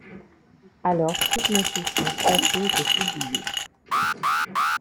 Alors toutes nos souffrances passées étaient oubliées.